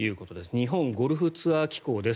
日本ゴルフツアー機構です。